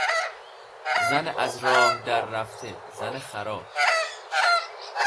زن از راه دررفته، زن خراب